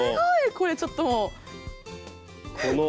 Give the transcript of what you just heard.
これちょっともう。